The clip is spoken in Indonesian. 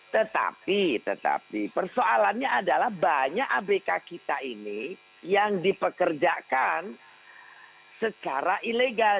tetapi tetapi persoalannya adalah banyak abk kita ini yang dipekerjakan secara ilegal